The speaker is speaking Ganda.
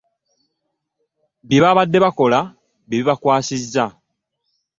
Bye babadde bakola bye bibakwasizza.